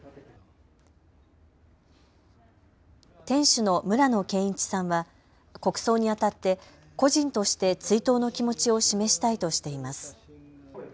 店主の村野健一さんは国葬にあたって個人として追悼の気持ちを示したいとしています。